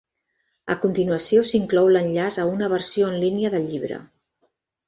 A continuació s'inclou l'enllaç a una versió en línia del llibre.